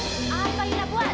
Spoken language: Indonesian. apa yang kamu buat